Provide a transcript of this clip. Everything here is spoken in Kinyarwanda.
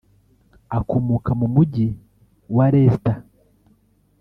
akomoka mu mugi wa Leicester